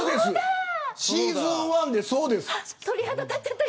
シーズン１はそうでした。